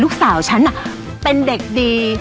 ลูกสาวฉันน่ะเป็นเด็กดี